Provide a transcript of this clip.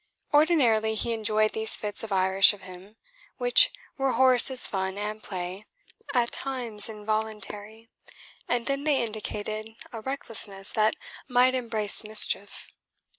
Ordinarily he enjoyed these fits of Irish of him, which were Horace's fun and play, at times involuntary, and then they indicated a recklessness that might embrace mischief.